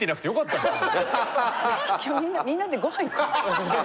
今日みんなでごはん行こう。